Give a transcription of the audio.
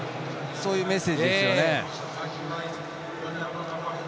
そういうメッセージですね。